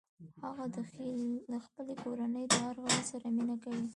هغه د خپلې کورنۍ د هر غړي سره مینه کوي